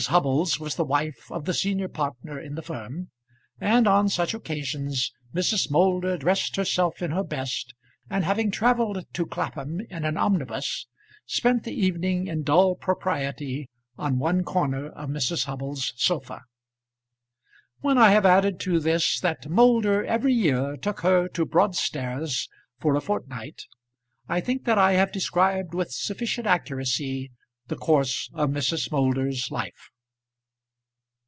Hubbles was the wife of the senior partner in the firm, and on such occasions Mrs. Moulder dressed herself in her best, and having travelled to Clapham in an omnibus, spent the evening in dull propriety on one corner of Mrs. Hubbles's sofa. When I have added to this that Moulder every year took her to Broadstairs for a fortnight, I think that I have described with sufficient accuracy the course of Mrs. Moulder's life.